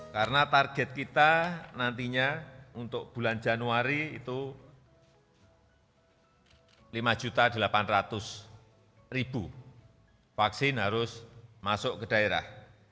karena target kita nantinya untuk bulan januari itu lima delapan ratus vaksin harus masuk ke daerah